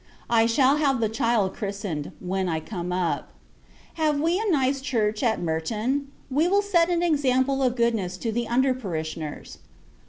I shall have the child christened, when I come up. Have we a nice church at Merton? We will set an example of goodness to the under parishioners.